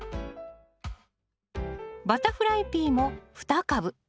バタフライピーも２株。